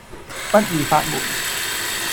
不二法門